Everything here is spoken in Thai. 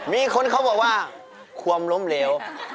มีคนเขาบอกว่าความล้มเหลว